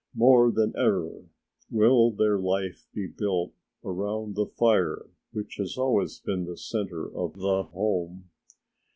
More than ever will their life be built around the fire which has always been the center of the home.